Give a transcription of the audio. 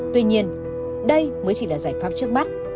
tuy nhiên đây mới chỉ là giải pháp trước mắt